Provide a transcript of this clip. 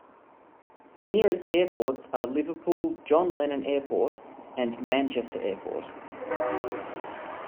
The nearest airports are Liverpool John Lennon Airport and Manchester Airport.